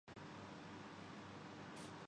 پاکستان کے قومی پرچم میں دو رنگ ہیں